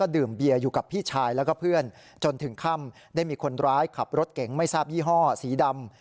ดื่มเบียอยู่กับพี่ชายแล้วก็เพื่อนจนถึงค่ำได้มีคนร้ายขับรถเก๋งไม่ทราบยี่ห้อสีดำ